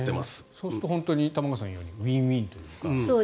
そうすると玉川さんが言うようにウィンウィンというか。